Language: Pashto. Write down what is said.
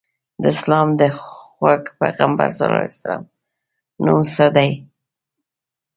د اسلام د خوږ پیغمبر ص نوم څه دی؟